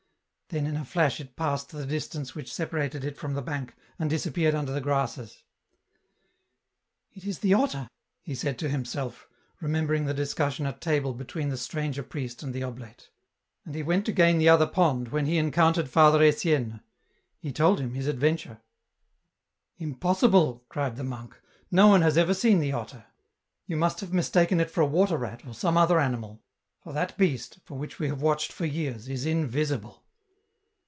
Then in a flash it passed the distance which separated it from the bank, and disappeared under the grasses. "It is the otter," he said to himself, remembering the discussion at table between the stranger priest and the oblate. And he went to gain the other pond, when he en countered Father Etienne. He told him his adventure. EN ROUTE. 283 " Impossible !" cried the monk, " no one has ever seen the otter ; you must have mistaken it lor a water rat, or some other animal, for that beast, for which we have watched for years, is invisible."